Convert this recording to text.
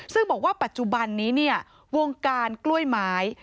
ซึ่งบอกว่าปัจจุบันนี้เนี่ยวงการกล้วยไม้